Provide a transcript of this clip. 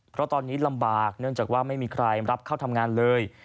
เพราะตอนนี้ลำบากเนื่องจากว่าไม่มีใครรับเข้าทำงานเลย